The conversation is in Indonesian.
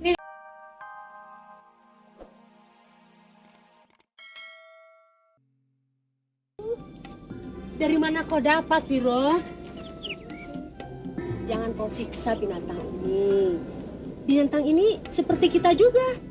hai dari mana kau dapat biru jangan kau siksa binatang ini binatang ini seperti kita juga